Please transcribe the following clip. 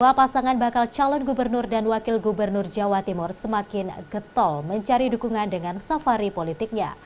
bahwa pasangan bakal calon gubernur dan wakil gubernur jawa timur semakin getol mencari dukungan dengan safari politiknya